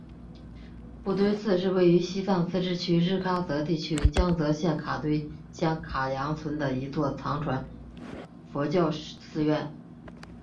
布堆寺是位于西藏自治区日喀则地区江孜县卡堆乡凯扬村的一座藏传佛教寺院。